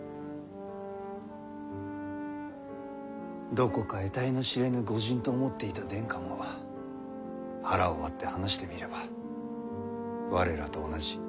どこか得体の知れぬ御仁と思っていた殿下も腹を割って話してみれば我らと同じ。